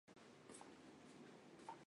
李普出生于湖南湘乡。